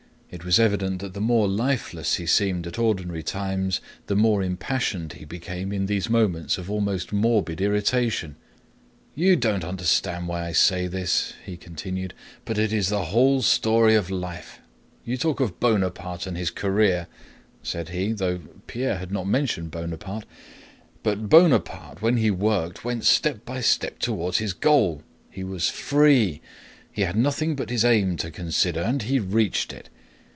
It was evident that the more lifeless he seemed at ordinary times, the more impassioned he became in these moments of almost morbid irritation. "You don't understand why I say this," he continued, "but it is the whole story of life. You talk of Bonaparte and his career," said he (though Pierre had not mentioned Bonaparte), "but Bonaparte when he worked went step by step toward his goal. He was free, he had nothing but his aim to consider, and he reached it.